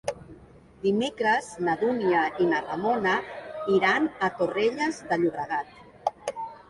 Dimecres na Dúnia i na Ramona iran a Torrelles de Llobregat.